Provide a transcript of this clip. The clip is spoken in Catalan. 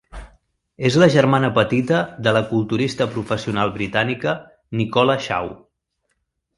És la germana petita de la culturista professional britànica Nicola Shaw.